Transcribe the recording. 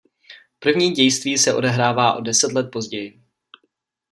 První dějství se odehrává o deset let později.